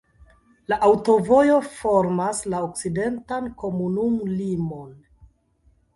La aŭtovojo formas la okcidentan komunumlimon.